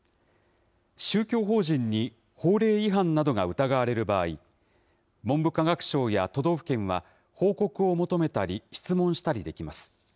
宗教法人に法令違反などが疑われる場合、文部科学省や都道府県は、報告を求めたり、質問したりできます。